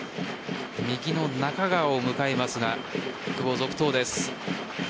右の中川を迎えますが久保、続投です。